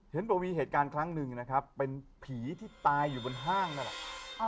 เห็นบอกมีเหตุการณ์ครั้งหนึ่งนะครับเป็นผีที่ตายอยู่บนห้างนั่นแหละ